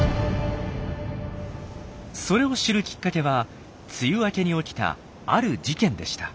それを知るきっかけは梅雨明けに起きたある事件でした。